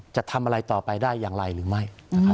จะทำอะไรต่อไปได้อย่างไรหรือไม่